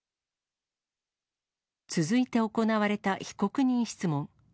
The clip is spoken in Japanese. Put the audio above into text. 続いて行われた被告人質問。